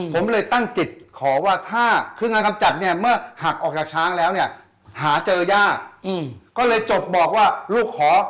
ผมเลยตั้งจิตขอว่าถ้าเครื่องงานกำจัดเนี่ยเมื่อหักออกจากช้างแล้วเนี่ยหาเจอยากก็เลยจดบอกว่าลูกขอ